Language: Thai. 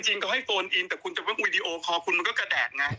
ก็จริงก็ให้โฟนอินแต่คุณจับวิดีโอคอร์คุณมันก็กระแดดไง